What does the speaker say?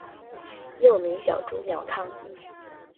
又名小朱鸟汤。